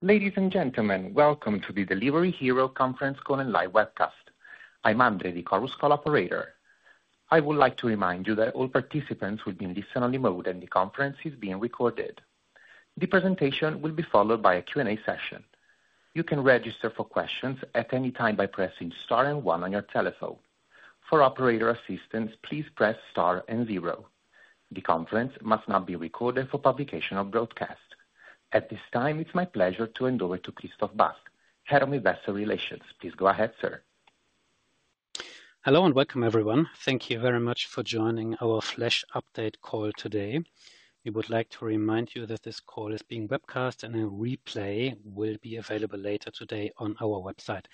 Ladies and gentlemen, welcome to the Delivery Hero conference call and live webcast. I'm André, the Chorus Call operator. I would like to remind you that all participants will be in listen-only mode and the conference is being recorded. The presentation will be followed by a Q&A session. You can register for questions at any time by pressing star and 1 on your telephone. For operator assistance, please press star and 0. The conference must not be recorded for publication or broadcast. At this time, it's my pleasure to hand over to Christoph Bast, Head of Investor Relations. Please go ahead, sir. Hello and welcome, everyone. Thank you very much for joining our Flash Update call today. We would like to remind you that this call is being webcast and a replay will be available later today on our website.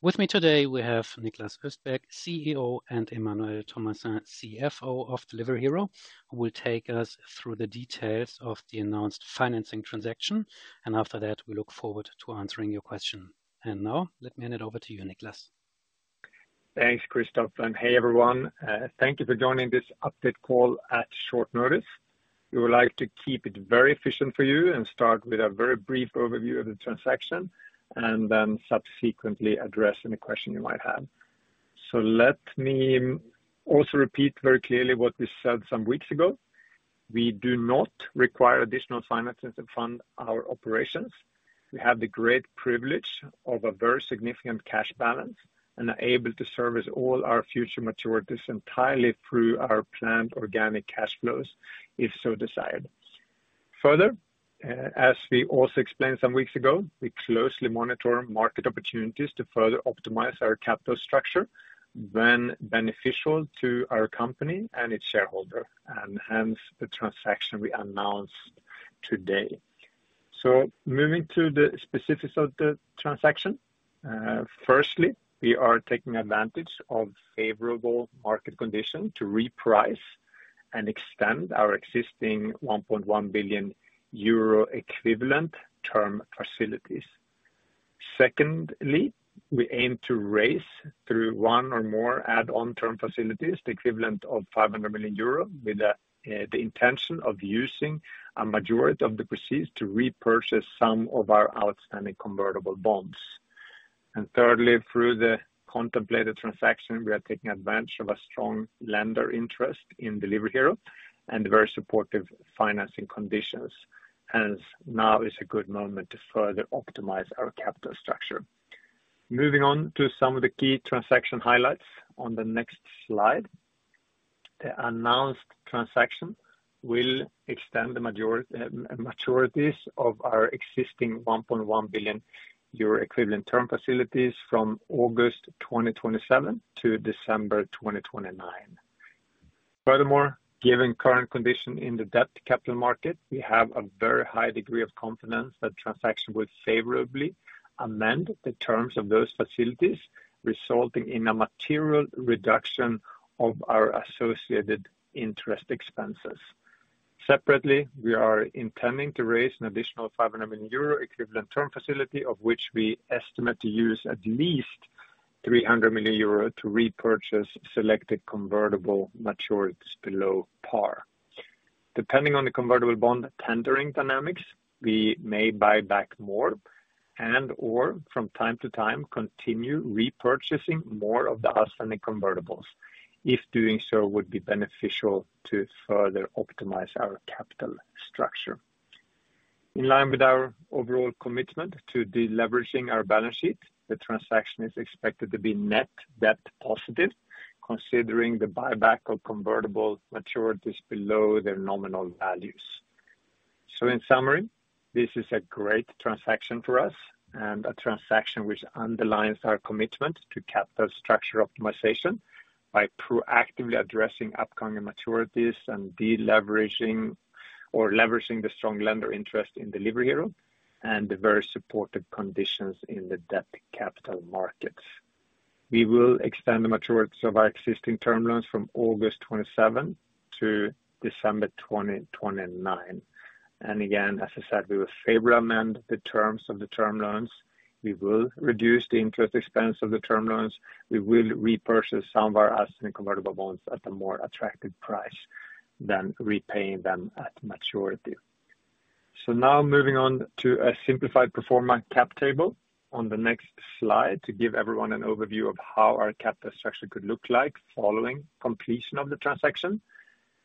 With me today, we have Niklas Östberg, CEO, and Emmanuel Thomassin, CFO of Delivery Hero, who will take us through the details of the announced financing transaction, and after that, we look forward to answering your question. Now, let me hand it over to you, Niklas. Thanks, Christoph. And hey, everyone. Thank you for joining this update call at short notice. We would like to keep it very efficient for you and start with a very brief overview of the transaction, and then subsequently address any question you might have. So let me also repeat very clearly what we said some weeks ago: we do not require additional financing to fund our operations. We have the great privilege of a very significant cash balance and are able to service all our future maturities entirely through our planned organic cash flows, if so desired. Further, as we also explained some weeks ago, we closely monitor market opportunities to further optimize our capital structure when beneficial to our company and its shareholder, and hence the transaction we announced today. So moving to the specifics of the transaction, firstly, we are taking advantage of favorable market conditions to reprice and extend our existing 1.1 billion euro equivalent term facilities. Secondly, we aim to raise through one or more add-on term facilities the equivalent of 500 million euro with the intention of using a majority of the proceeds to repurchase some of our outstanding convertible bonds. And thirdly, through the contemplated transaction, we are taking advantage of a strong lender interest in Delivery Hero and very supportive financing conditions. Hence, now is a good moment to further optimize our capital structure. Moving on to some of the key transaction highlights on the next slide. The announced transaction will extend the majority maturities of our existing 1.1 billion euro equivalent term facilities from August 2027 to December 2029. Furthermore, given current conditions in the debt capital market, we have a very high degree of confidence that the transaction will favorably amend the terms of those facilities, resulting in a material reduction of our associated interest expenses. Separately, we are intending to raise an additional 500 million euro equivalent term facility, of which we estimate to use at least 300 million euro to repurchase selected convertible maturities below par. Depending on the convertible bond tendering dynamics, we may buy back more and/or, from time to time, continue repurchasing more of the outstanding convertibles, if doing so would be beneficial to further optimize our capital structure. In line with our overall commitment to deleveraging our balance sheet, the transaction is expected to be net debt positive, considering the buyback of convertible maturities below their nominal values. So in summary, this is a great transaction for us and a transaction which underlines our commitment to capital structure optimization by proactively addressing upcoming maturities and deleveraging or leveraging the strong lender interest in Delivery Hero and the very supportive conditions in the debt capital markets. We will extend the maturities of our existing term loans from August '27 to December 2029. Again, as I said, we will favorably amend the terms of the term loans. We will reduce the interest expense of the term loans. We will repurchase some of our outstanding convertible bonds at a more attractive price than repaying them at maturity. So now moving on to a simplified pro forma cap table on the next slide to give everyone an overview of how our capital structure could look like following completion of the transaction.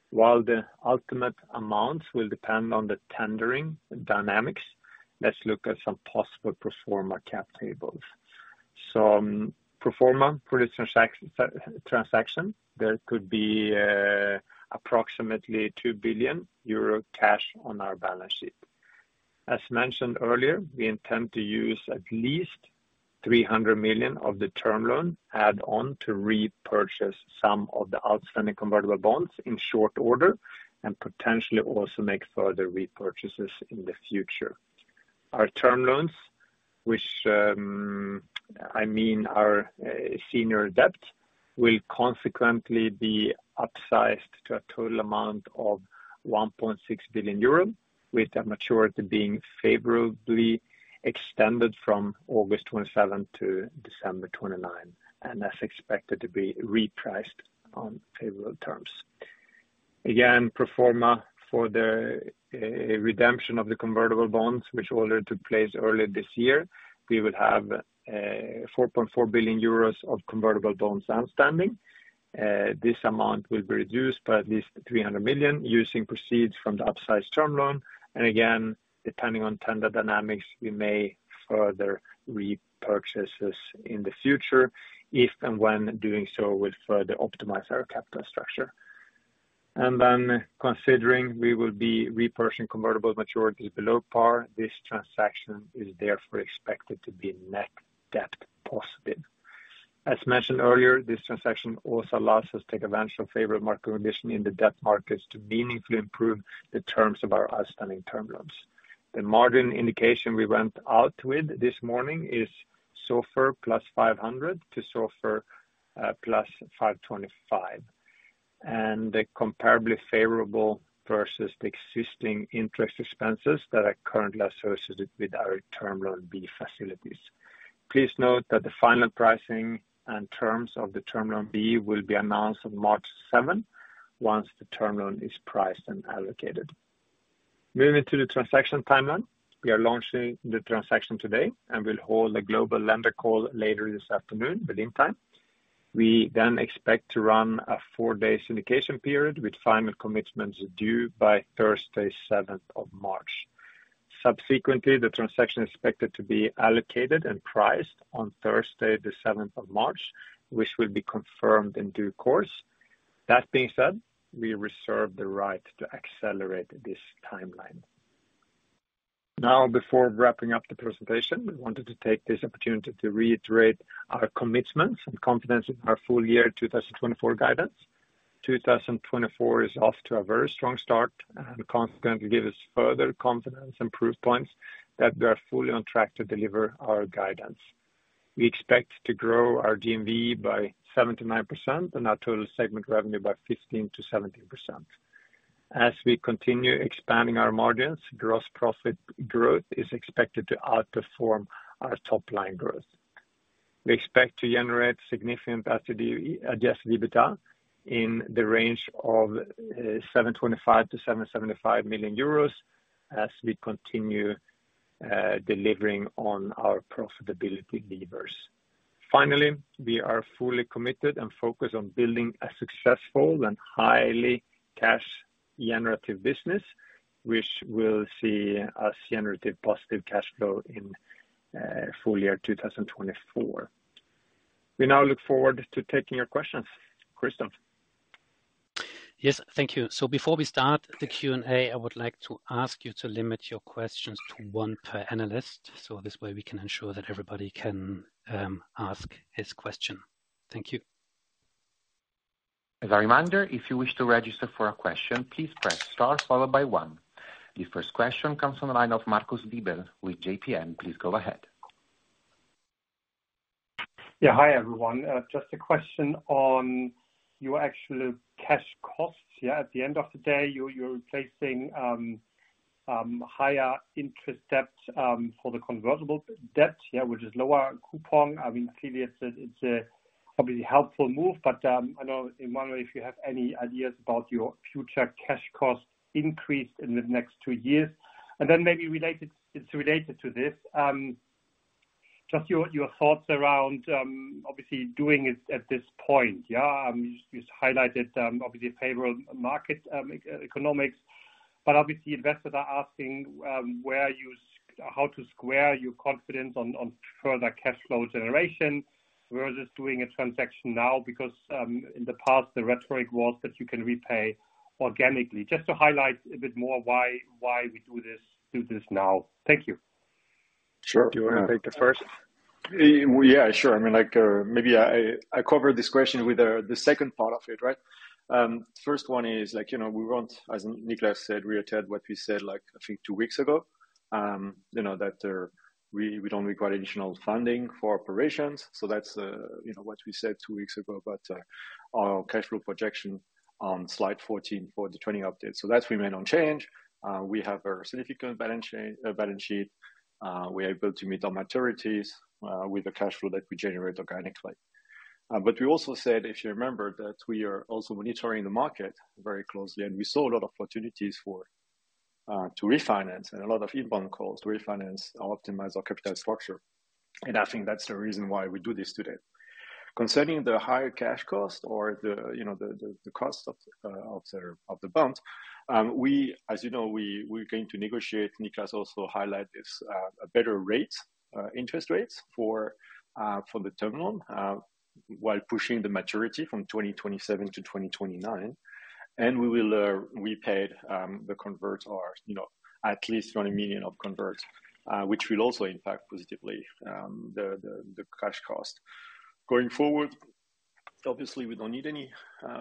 While the ultimate amounts will depend on the tendering dynamics, let's look at some possible post-merger cap tables. So, post-merger for this transaction, there could be approximately 2 billion euro cash on our balance sheet. As mentioned earlier, we intend to use at least 300 million of the term loan add-on to repurchase some of the outstanding convertible bonds in short order and potentially also make further repurchases in the future. Our term loans, which, I mean our senior debt, will consequently be upsized to a total amount of 1.6 billion euro, with a maturity being favorably extended from August '27 to December '29 and as expected to be repriced on favorable terms. Again, post-merger for the redemption of the convertible bonds, which were placed early this year, we will have 4.4 billion euros of convertible bonds outstanding. This amount will be reduced by at least $300 million using proceeds from the upsized term loan. Again, depending on tender dynamics, we may further repurchase this in the future, if and when doing so will further optimize our capital structure. Then, considering we will be repurchasing convertible maturities below par, this transaction is therefore expected to be net debt positive. As mentioned earlier, this transaction also allows us to take advantage of favorable market conditions in the debt markets to meaningfully improve the terms of our outstanding term loans. The margin indication we went out with this morning is SOFR +500 to SOFR +525, and the comparably favorable versus the existing interest expenses that are currently associated with our Term Loan B facilities. Please note that the final pricing and terms of the Term Loan B will be announced on March 7, once the term loan is priced and allocated. Moving to the transaction timeline, we are launching the transaction today and will hold a global lender call later this afternoon within time. We then expect to run a four-day syndication period with final commitments due by Thursday, 7th of March. Subsequently, the transaction is expected to be allocated and priced on Thursday, the 7th of March, which will be confirmed in due course. That being said, we reserve the right to accelerate this timeline. Now, before wrapping up the presentation, I wanted to take this opportunity to reiterate our commitments and confidence in our full year 2024 guidance. 2024 is off to a very strong start and consequently gives us further confidence and proof points that we are fully on track to deliver our guidance. We expect to grow our GMV by 7-9% and our total segment revenue by 15%-17%. As we continue expanding our margins, gross profit growth is expected to outperform our top-line growth. We expect to generate significant adjusted EBITDA in the range of 725 million-775 million euros as we continue delivering on our profitability levers. Finally, we are fully committed and focused on building a successful and highly cash-generative business, which will see us generate positive cash flow in full year 2024. We now look forward to taking your questions, Christoph. Yes, thank you. Before we start the Q&A, I would like to ask you to limit your questions to one per analyst, so this way we can ensure that everybody can ask his question. Thank you. As a reminder, if you wish to register for a question, please press star followed by 1. The first question comes from the line of Marcus Diebel with JPM. Please go ahead. Yeah, hi everyone. Just a question on your actual cash costs. Yeah, at the end of the day, you're replacing higher interest debt for the convertible debt, yeah, which is lower coupon. I mean, clearly it's obviously a helpful move, but I don't know, Emmanuel, if you have any ideas about your future cash cost increase in the next two years. And then maybe related, it's related to this: just your thoughts around obviously doing it at this point, yeah. You just highlighted obviously favorable market economics. But obviously investors are asking how to square your confidence on further cash flow generation versus doing a transaction now because, in the past the rhetoric was that you can repay organically. Just to highlight a bit more why we do this now. Thank you. Sure. Do you want to take the first? Yeah, sure. I mean, like, maybe I cover this question with the second part of it, right? First one is, like, you know, we want, as Niklas said, reiterate what we said, like, I think two weeks ago, you know, that we don't require additional funding for operations. So that's, you know, what we said two weeks ago about our cash flow projection on slide 14 for the Trading Update. So that's remained unchanged. We have a significant balance sheet. We are able to meet our maturities with the cash flow that we generate organically. But we also said, if you remember, that we are also monitoring the market very closely, and we saw a lot of opportunities to refinance and a lot of inbound calls to refinance or optimize our capital structure. And I think that's the reason why we do this today. Concerning the higher cash cost or the, you know, the cost of the bonds, we, as you know, we're going to negotiate. Niklas also highlight this, a better rate, interest rates for the term loan, while pushing the maturity from 2027 to 2029. And we will repay the converts or, you know, at least 20 million of converts, which will also impact positively the cash cost. Going forward, obviously we don't need any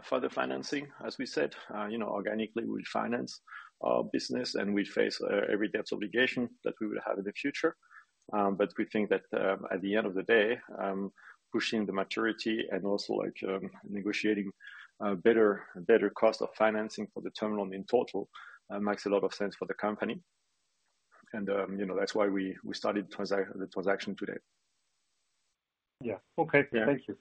further financing, as we said. You know, organically we finance our business and we face every debt obligation that we would have in the future. But we think that, at the end of the day, pushing the maturity and also, like, negotiating better cost of financing for the term loan in total, makes a lot of sense for the company. You know, that's why we started the transaction today. Yeah. Okay. Thank you.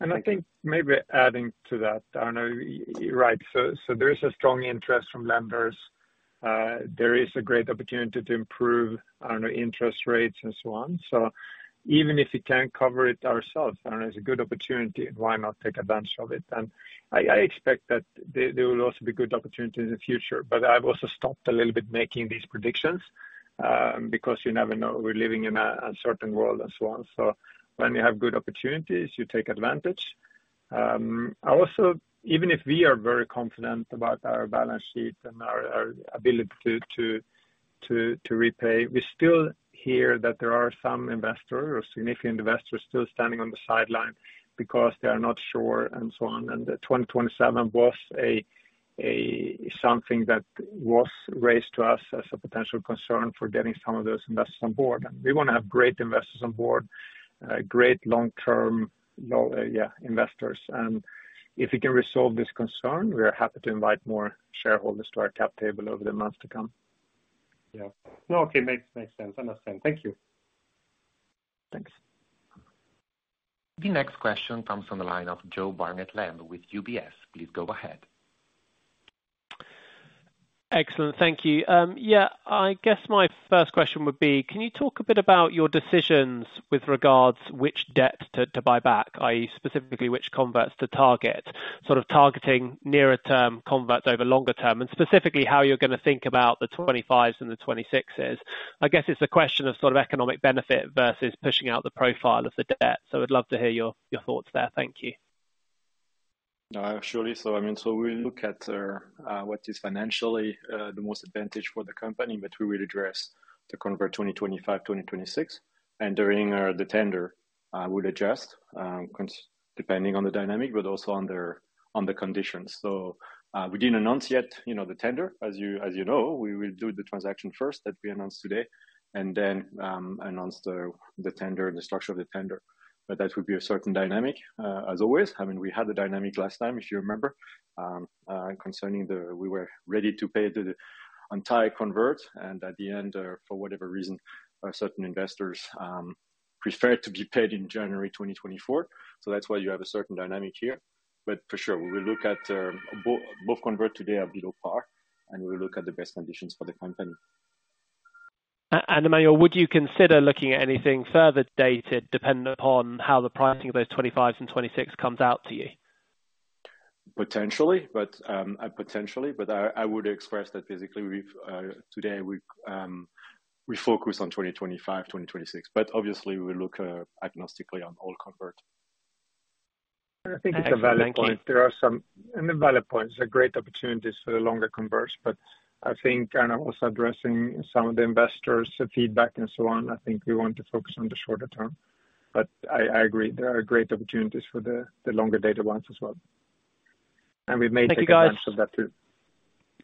And I think maybe adding to that, I don't know, you're right. So there is a strong interest from lenders. There is a great opportunity to improve, I don't know, interest rates and so on. So even if we can't cover it ourselves, I don't know, it's a good opportunity and why not take advantage of it. And I expect that there will also be good opportunities in the future. But I've also stopped a little bit making these predictions, because you never know. We're living in a certain world and so on. So when you have good opportunities, you take advantage. I also even if we are very confident about our balance sheet and our ability to repay, we still hear that there are some investors or significant investors still standing on the sideline because they are not sure and so on. 2027 was a something that was raised to us as a potential concern for getting some of those investors on board. We want to have great investors on board, great long-term, yeah, investors. If we can resolve this concern, we are happy to invite more shareholders to our cap table over the months to come. Yeah. No, okay. Makes sense. Understand. Thank you. Thanks. The next question comes from the line of Joseph Barnet-Lamb with UBS. Please go ahead. Excellent. Thank you. Yeah, I guess my first question would be, can you talk a bit about your decisions with regards which debt to, to buy back, i.e., specifically which converts to target, sort of targeting nearer-term converts over longer term, and specifically how you're going to think about the 2025s and the 2026s? I guess it's a question of sort of economic benefit versus pushing out the profile of the debt. So I'd love to hear your, your thoughts there. Thank you. No, surely. So, I mean, so we'll look at what is financially the most advantage for the company, but we will address the converts 2025, 2026. And during the tender, I would adjust conditions depending on the dynamic, but also on their own conditions. So, we didn't announce yet, you know, the tender. As you know, we will do the transaction first that we announced today and then announce the tender and the structure of the tender. But that would be a certain dynamic, as always. I mean, we had the dynamic last time, if you remember, concerning we were ready to pay the entire converts. And at the end, for whatever reason, certain investors preferred to be paid in January 2024. So that's why you have a certain dynamic here. For sure, we will look at both. Both converts today are below par, and we will look at the best conditions for the company. And Emmanuel, would you consider looking at anything further dated dependent upon how the pricing of those 2025s and 2026s comes out to you? Potentially, but I would express that basically today we focus on 2025, 2026. But obviously we will look agnostically on all converts. I think it's a valid point. There are some, and the valid point is there are great opportunities for the longer converts. But I think, kind of also addressing some of the investors' feedback and so on, I think we want to focus on the shorter term. But I, I agree. There are great opportunities for the longer dated ones as well. And we may take advantage of that too.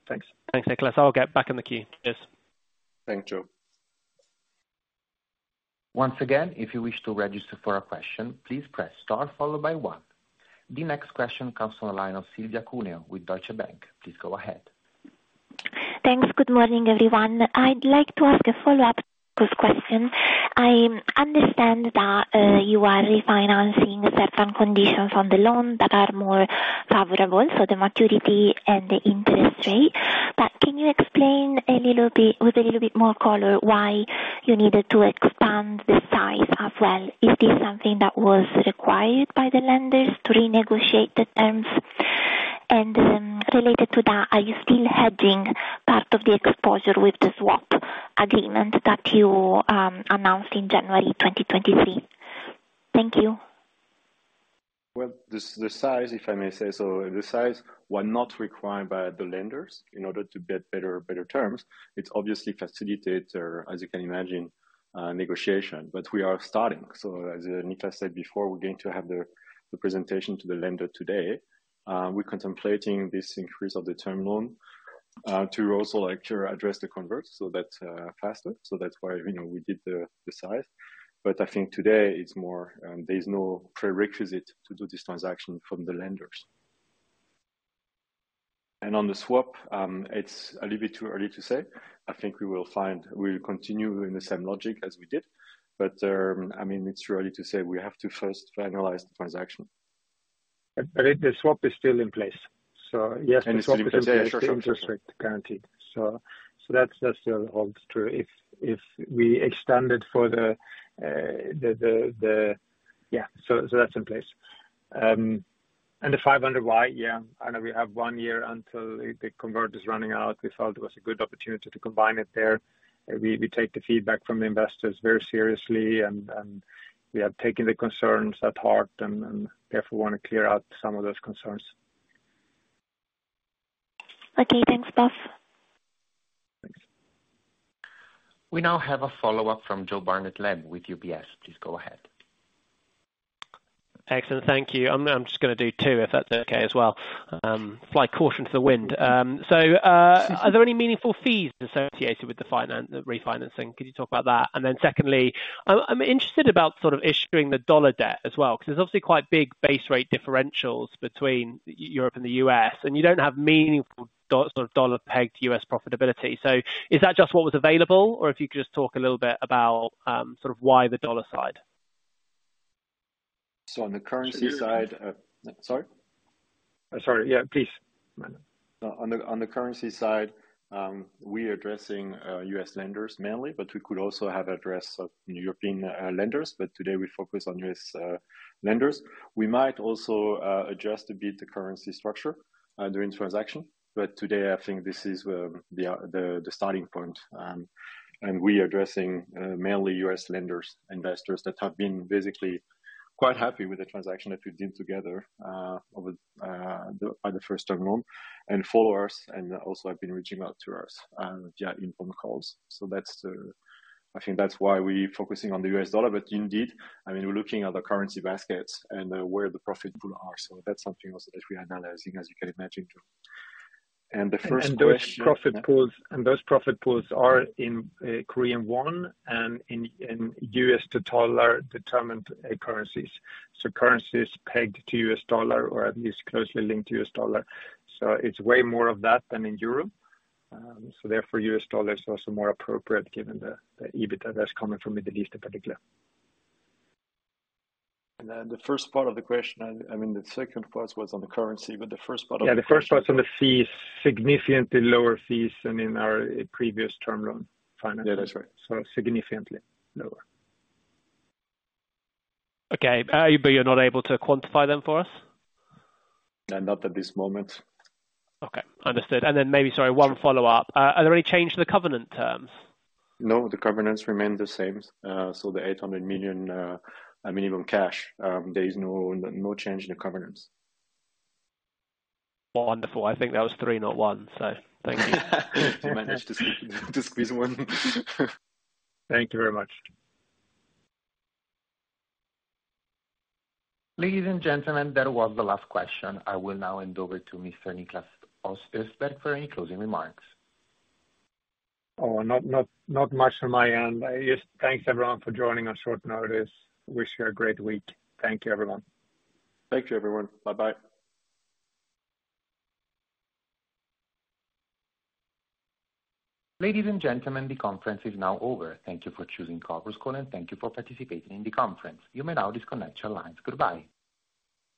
Thank you, guys. Thanks. Thanks, Niklas. I'll get back in the queue. Cheers. Thanks, Joe. Once again, if you wish to register for a question, please press star followed by 1. The next question comes from the line of Silvia Cuneo with Deutsche Bank. Please go ahead. Thanks. Good morning, everyone. I'd like to ask a follow-up question. I understand that you are refinancing certain conditions on the loan that are more favorable, so the maturity and the interest rate. But can you explain a little bit with a little bit more color why you needed to expand the size as well? Is this something that was required by the lenders to renegotiate the terms? And, related to that, are you still hedging part of the exposure with the swap agreement that you announced in January 2023? Thank you. Well, this, the size, if I may say so, the size was not required by the lenders in order to get better terms. It's obviously facilitated, as you can imagine, negotiation. But we are starting. So, as Niklas said before, we're going to have the presentation to the lender today. We're contemplating this increase of the term loan, to also, like, address the converts so that faster. So that's why, you know, we did the size. But I think today it's more. There's no prerequisite to do this transaction from the lenders. And on the swap, it's a little bit too early to say. I think we will find we will continue in the same logic as we did. But, I mean, it's too early to say. We have to first finalize the transaction. I think the swap is still in place. So yes, the swap is still in place. The interest rate guaranteed. So that's still holds true. If we extended for the yeah. So that's in place. And the 500 bps, yeah. I know we have one year until the convert is running out. We felt it was a good opportunity to combine it there. We take the feedback from the investors very seriously, and we have taken the concerns at heart and therefore want to clear out some of those concerns. Okay. Thanks, Buf. Thanks. We now have a follow-up from Joe Barnet-Lamb with UBS. Please go ahead. Excellent. Thank you. I'm just going to do two if that's okay as well. Slight caution for the wind. So, are there any meaningful fees associated with the financing the refinancing? Could you talk about that? And then secondly, I'm interested about sort of issuing the dollar debt as well because there's obviously quite big base rate differentials between Europe and the U.S., and you don't have meaningful sort of dollar-pegged U.S. profitability. So is that just what was available, or if you could just talk a little bit about, sort of why the dollar side? So on the currency side, sorry? I'm sorry. Yeah, please. On the currency side, we are addressing U.S. lenders mainly, but we could also have addressed European lenders. But today we focus on U.S. lenders. We might also adjust a bit the currency structure during transaction. But today, I think this is the starting point. We are addressing mainly U.S. lenders, investors that have been basically quite happy with the transaction that we did together over the first term loan and followers and also have been reaching out to us via inbound calls. So that's, I think, why we're focusing on the U.S. dollar. But indeed, I mean, we're looking at the currency baskets and where the profit pools are. So that's something also that we are analyzing, as you can imagine, Joe. And the first question. Those profit pools and those profit pools are in Korean won and in US dollar determined currencies. So currencies pegged to US dollar or at least closely linked to US dollar. So it's way more of that than in Euro. Therefore US dollar is also more appropriate given the EBITDA that's coming from the Middle East in particular. And then the first part of the question, I mean, the second part was on the currency, but the first part of the question. Yeah, the first part's on the fees, significantly lower fees than in our previous term loan financing. Yeah, that's right. Significantly lower. Okay. Are you but you're not able to quantify them for us? Not at this moment. Okay. Understood. And then maybe, sorry, one follow-up. Are there any change to the covenant terms? No, the covenants remain the same. So the 800 million minimum cash, there is no, no change in the covenants. Wonderful. I think that was three, not one. Thank you. You managed to squeeze one. Thank you very much. Ladies and gentlemen, that was the last question. I will now hand over to Mr. Niklas Östberg for any closing remarks. Oh, not much on my end. Yes, thanks, everyone, for joining on short notice. Wish you a great week. Thank you, everyone. Thank you, everyone. Bye-bye. Ladies and gentlemen, the conference is now over. Thank you for choosing Chorus Call and thank you for participating in the conference. You may now disconnect your lines. Goodbye.